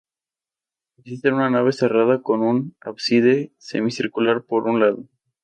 Consiste en una nave cerrada con un ábside semicircular por un lado.